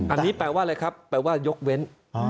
อันนี้แปลว่าอะไรครับแปลว่ายกเว้น